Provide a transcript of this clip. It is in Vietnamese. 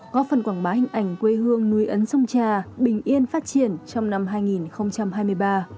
có phần quảng bá hình ảnh quê hương núi ấn sông trà bình yên phát triển trong năm hai nghìn hai mươi ba